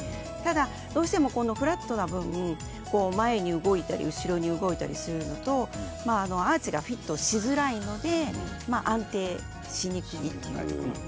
どうしてもフラットな部分前に動いたり後ろに動いたりするのとアーチがフィットしづらいので安定しにくいと言われています。